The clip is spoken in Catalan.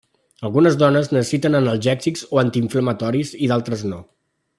Algunes dones necessiten analgèsics o antiinflamatoris i d'altres no.